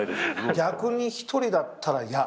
逆に１人だったら嫌。